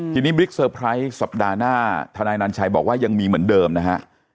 ทีนี้บิ๊กเซอร์ไพรส์สัปดาห์หน้าทนายนันชัยบอกว่ายังมีเหมือนเดิมนะฮะ